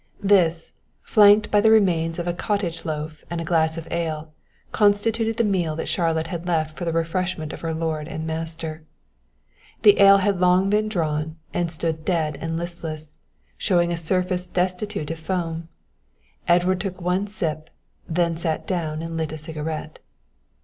This, flanked by the remains of a cottage loaf and a glass of ale, constituted the meal that Charlotte had left for the refreshment of her lord and master. The ale had long been drawn, and stood dead and listless, showing a surface destitute of foam. Edward took one sip, then sat down and lit a cigarette.